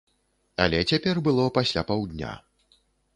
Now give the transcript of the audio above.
Але цяпер было пасля паўдня.